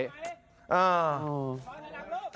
ขออนุญาตุรูป